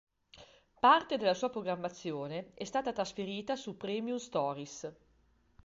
Parte della sua programmazione è stata trasferita su Premium Stories.